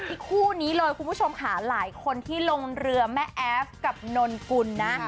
อีกคู่นี้เลยคุณผู้ชมค่ะหลายคนที่ลงเรือแม่แอฟกับนนกุลนะ